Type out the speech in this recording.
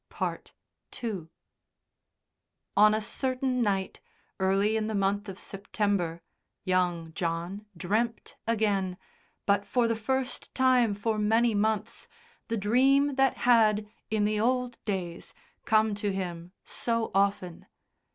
II On a certain night, early in the month of September, young John dreamt again but for the first time for many months the dream that had, in the old days, come to him so often.